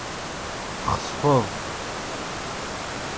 Txesfeḍ.